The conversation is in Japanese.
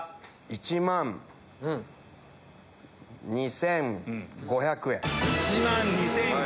１万２５００円。